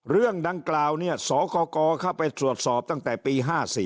เรื่องดังกล่าวเนี่ยสกเข้าไปตรวจสอบตั้งแต่ปี๕๔